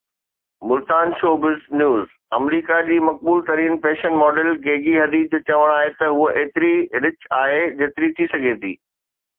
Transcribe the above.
Multan (showbiz news) آمريڪا جي مقبول ترين فيشن ماڊل گيگي حديد جو چوڻ آهي ته هوءَ ايتري ڊچ آهي جيتري ٿي سگهي ٿي.